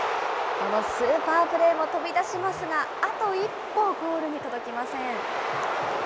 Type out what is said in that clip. このスーパープレーも飛び出しますが、あと一歩ゴールに届きません。